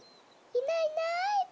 いないいない。